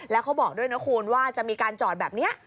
แล้วเขาบอกด้วยนะคุณว่าจะมีการจอดแบบนี้